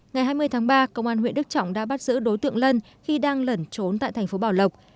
ngày hai mươi tháng ba công an huyện đức trọng đã bắt giữ đối tượng lân khi đang lẩn trốn tại thành phố bảo lộc